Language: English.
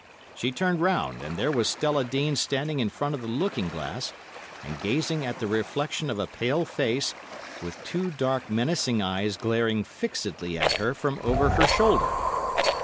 She turned round, and there was Stella Dean standing in front of the looking glass and gazing at the reflection of a pale face, with two dark menacing eyes glaring fixedly at her from over her shoulder.